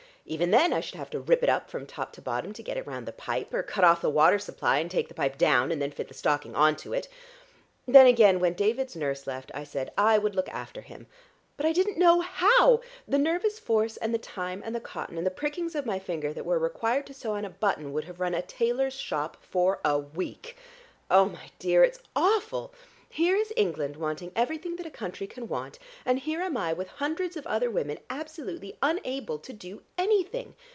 Even then I should have to rip it up from top to bottom to get it round the pipe, or cut off the water supply and take the pipe down and then fit the stocking on to it. Then again when David's nurse left, I said I would look after him. But I didn't know how; the nervous force and the time and the cotton and the prickings of my finger that were required to sew on a button would have run a tailor's shop for a week. Oh, my dear, it's awful! Here is England wanting everything that a country can want, and here am I with hundreds of other women absolutely unable to do anything!